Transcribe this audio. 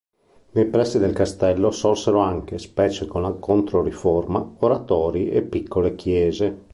Nei pressi del castello sorsero anche, specie con la Controriforma, oratori e piccole chiese.